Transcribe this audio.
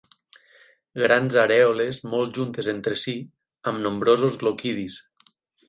Grans arèoles molt juntes entre si, amb nombrosos gloquidis.